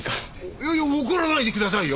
いやいや怒らないでくださいよ。